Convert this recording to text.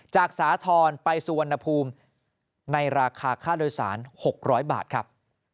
สาธรณ์ไปสุวรรณภูมิในราคาค่าโดยสาร๖๐๐บาทครับ